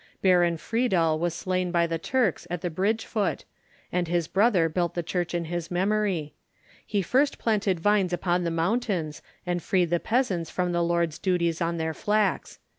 Baron Friedel was slain by the Turks at the bridge foot, and his brother built the church in his memory. He first planted vines upon the mountains, and freed the peasants from the lord's dues on their flax.